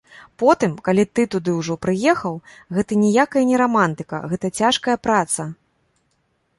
Потым, калі ты туды ўжо прыехаў, гэта ніякая не рамантыка, гэта цяжкая праца!